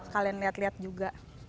kalian lihat lihat juga